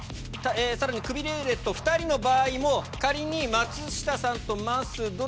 さらにクビルーレット２人の場合も仮に松下さんとまっすー